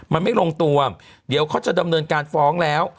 มันไม่ลงตัวเดี๋ยวเขาจะดำเนินการฟ้องแล้ว